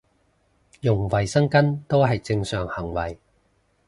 用衞生巾都係正常行為